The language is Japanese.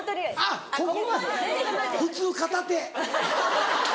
あっここまで普通片手。